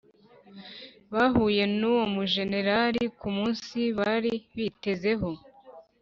Bahuye nuwo mujenerali ku munsi bari bitezeho .